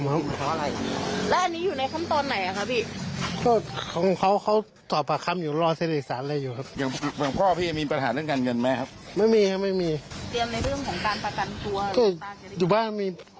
มึงเค้าพูดคุยแล้วไหมคะพี่เมื่อกี้ว่าแบบมันอะไรยังไงอะไรอย่างเงี้ย